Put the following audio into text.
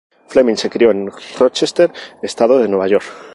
Fleming se crio en Rochester, estado de Nueva York.